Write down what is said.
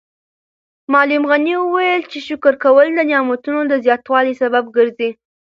معلم غني وویل چې شکر کول د نعمتونو د زیاتوالي سبب ګرځي.